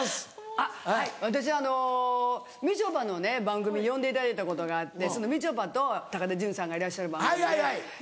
あっはい私みちょぱの番組に呼んでいただいたことがあってみちょぱと高田純次さんがいらっしゃる番組で。